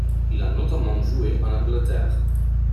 Il a notamment joué en Angleterre.